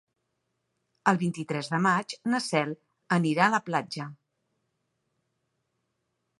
El vint-i-tres de maig na Cel anirà a la platja.